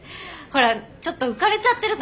ほらちょっと浮かれちゃってる。